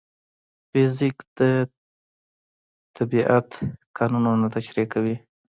فزیک د طبیعت قانونونه تشریح کوي.